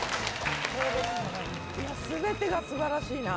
全てが素晴らしいな。